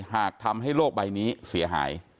หากทำให้โลกใบนี้เสียหาย